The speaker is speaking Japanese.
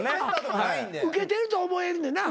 ウケてると思えるねんな？